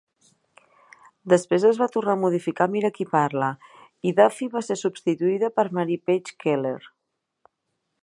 Després es va tornar a modificar "Mira qui parla" i Duffy va ser substituïda per Mary Page Keller.